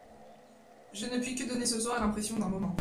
Je ne puis que donner ce soir l'impression d'un moment.